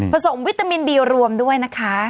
สมวิตามินบีรวมด้วยนะคะ